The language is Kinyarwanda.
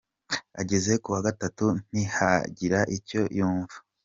Ageze ku wa gatatu ntihagira icyo yumva.